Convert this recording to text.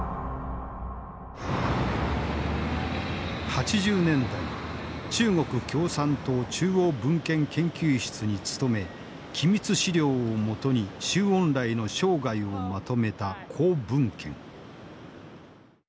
８０年代中国共産党中央文献研究室に勤め機密資料を基に周恩来の生涯をまとめた高文謙。